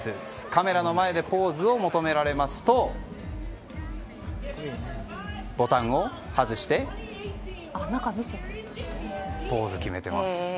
カメラの前でポーズを求められますとボタンを外してポーズを決めています。